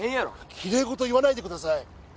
きれい事言わないでください